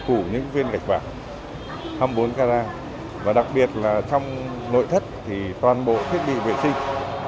củ những viên gạch vạng hai mươi bốn k ra và đặc biệt là trong nội thất thì toàn bộ thiết bị vệ sinh